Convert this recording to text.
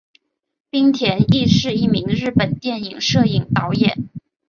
滨田毅是一名日本电影摄影导演。